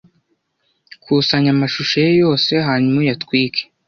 Kusanya amashusho ye yose hanyuma uyatwike.